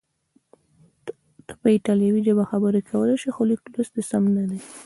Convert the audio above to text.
ته په ایټالوي ژبه خبرې کولای شې، خو لیک لوست دې سم نه دی.